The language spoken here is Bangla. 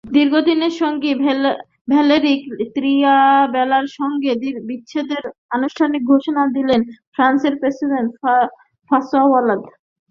দীর্ঘদিনের সঙ্গিনী ভ্যালেরি ত্রিয়াবেলারের সঙ্গে বিচ্ছেদের আনুষ্ঠানিক ঘোষণা দিয়েছেন ফ্রান্সের প্রেসিডেন্ট ফাঁসোয়া ওলাঁদ।